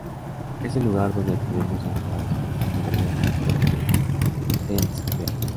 Es el lugar donde tenemos agrupadas por categorías las fotos de nuestros ítems reales.